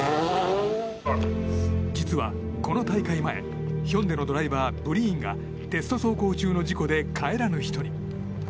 実はこの大会前ヒョンデのドライバーブリーンがテスト走行中の事故で帰らぬ人に。